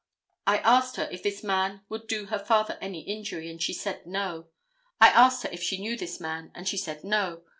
I asked her if this man would do her father any injury, and she said no. I asked her if she knew this man, and she said no.